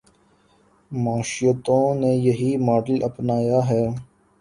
معیشتوں نے یہی ماڈل اپنایا ہے۔